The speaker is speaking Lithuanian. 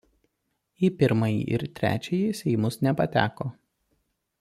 Į Pirmąjį ir Trečiąjį Seimus nepateko.